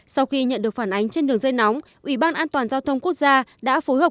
sau khi nhận được phản ánh trên đường dây nóng ủy ban an toàn giao thông quốc gia đã phối hợp